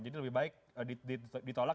jadi lebih baik ditolak